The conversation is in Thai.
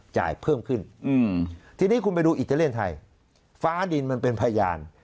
จ่ายเพิ่มขึ้นทีนี้คุณไปดูอิตาเลียนไทยฟ้าดินมันเป็นพยาน